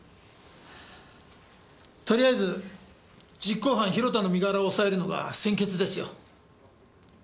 とりあえず実行犯広田の身柄を押さえるのが先決ですよ。